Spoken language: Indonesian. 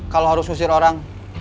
kalau harus ngusir orang